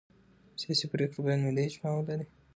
سیاسي پرېکړې باید ملي اجماع ولري